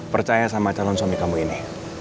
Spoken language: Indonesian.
percaya sama calon suami kamu ini